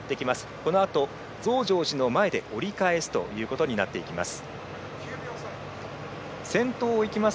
このあと増上寺の前で折り返すということになってきます。